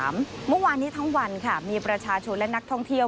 เมื่อวานนี้ทั้งวันค่ะมีประชาชนและนักท่องเที่ยว